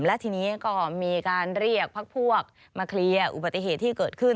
และทีนี้ก็มีการเรียกพักพวกมาเคลียร์อุบัติเหตุที่เกิดขึ้น